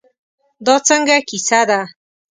دا څنګه کیسه ده.